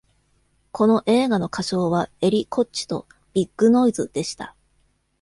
この映画の仮称は「エリ・コッチ」と「ビッグ・ノイズ」でした。